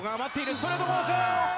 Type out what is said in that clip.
ストレートコース。